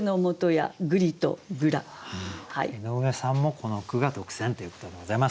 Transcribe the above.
井上さんもこの句が特選ということでございます。